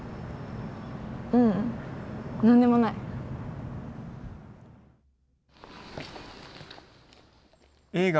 うん、何でもない。